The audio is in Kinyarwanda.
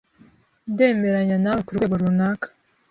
Ndemeranya nawe kurwego runaka.